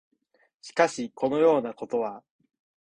しかし、このようなことは、